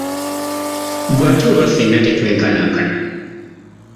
Ggwe ate oba ffenna tetwenkanankana.